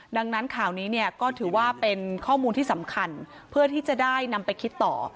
ดังนั้นข่าวนี้เนี่ยก็ถือว่าเป็นข้อมูลที่สำคัญเพื่อที่จะได้นำไปคิดต่อ